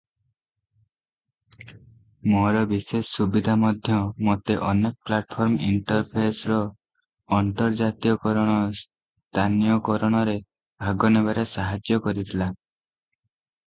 ମୋର ବିଶେଷ ସୁବିଧା ମଧ୍ୟ ମୋତେ ଅନେକ ପ୍ଲାଟଫର୍ମ ଇଣ୍ଟରଫେସର ଅନ୍ତର୍ଜାତୀୟକରଣ, ସ୍ଥାନୀୟକରଣରେ ଭାଗନେବାରେ ସାହାଯ୍ୟ କରିଥିଲା ।